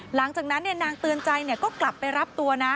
หลังจากนั้นนางเตือนใจก็กลับไปรับตัวนะ